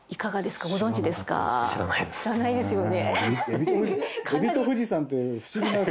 知らないですよね。